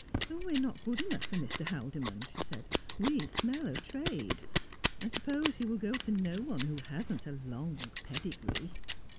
' We are not good enough for Mr. Haldimond,' she said, ' we smell of trade. I suppose he will go to no one who hasn't a long pedigree.'